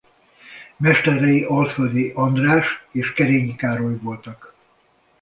Mesterei Alföldi András és Kerényi Károly voltak.